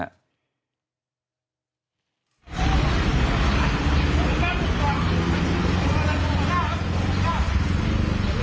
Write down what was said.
เฮ้ย